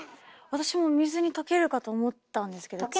私も水に溶けるかと思ったんですけど違う。